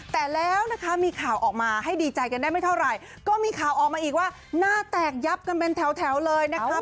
แต่แล้วนะคะมีข่าวออกมาให้ดีใจกันได้ไม่เท่าไหร่ก็มีข่าวออกมาอีกว่าหน้าแตกยับกันเป็นแถวเลยนะคะ